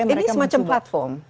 ini semacam platform